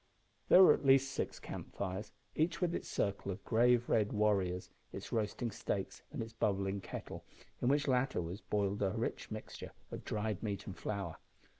There were at least six camp fires, each with its circle of grave red warriors, its roasting steaks and its bubbling kettle, in which latter was boiled a rich mixture of dried meat and flour.